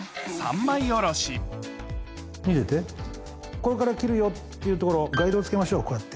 ここから切るよっていう所ガイドつけましょうこうやって。